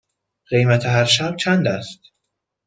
قیمت هر شب چند است؟